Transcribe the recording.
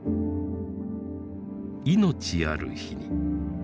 「生命ある日に」。